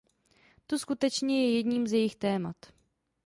To skutečně je jedním z jejích témat.